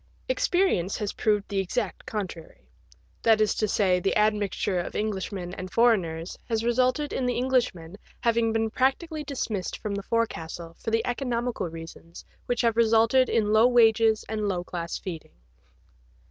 Experience has proved the exact contrary ; that is to say, the admixture of Englishmen and foreigners has resulted in the Englishman having been practically dismissed from the forecastle for the economical reasons which have resulted in low wages and low class feeding.